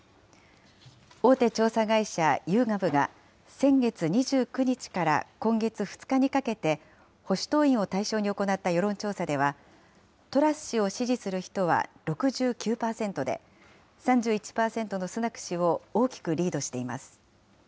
大手調査会社、ユーガブが先月２９日から今月２日にかけて、保守党員を対象に行った世論調査では、トラス氏を支持する人は６９％で、３１％のスナク氏を大きくリードしています。